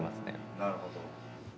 なるほど。